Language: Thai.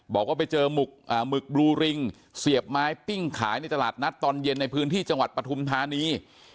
บอกว่าไปเจอหมึกบลูริงเสียบไม้ปิ้งขายในตลาดนัดตอนเย็นในพื้นที่จังหวัดปฐุมธานี